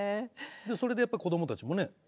それでやっぱこどもたちもね